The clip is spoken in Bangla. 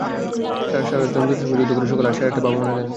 সারা রাত যমদূতের সঙ্গে যুদ্ধ করে সকাল সাড়ে আটটায় বাবা মারা গেলেন।